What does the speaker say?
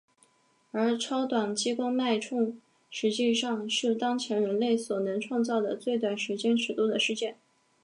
而超短激光脉冲实际上是当前人类所能创造的最短时间尺度的事件。